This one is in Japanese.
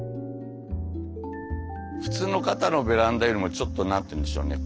普通の方のベランダよりもちょっと何て言うんでしょうね